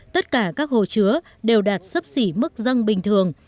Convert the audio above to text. tất cả các hồ chứa đều đạt sấp xỉ mức dân bình thường